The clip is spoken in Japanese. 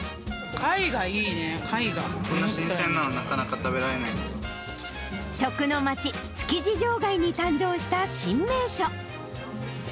こんな新鮮なの、なかなか食食の街、築地場外に誕生した新名所。